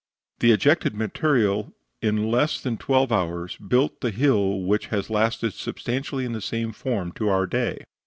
The ejected material in less than twelve hours built the hill which has lasted substantially in the same form to our day.